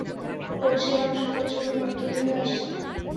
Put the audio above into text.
ওহ্, সে মানুষকে কচ্ছপের মতো তুলে নিয়ে আসছে।